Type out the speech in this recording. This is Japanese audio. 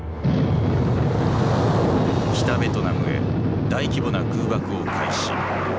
北ベトナムへ大規模な空爆を開始。